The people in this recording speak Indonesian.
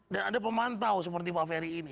dan ada pemantau seperti pak ferry ini